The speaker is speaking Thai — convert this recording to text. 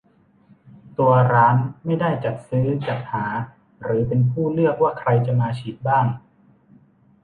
ตัวร้านไม่ได้จัดซื้อจัดหาหรือเป็นผู้เลือกว่าใครจะมาฉีดบ้าง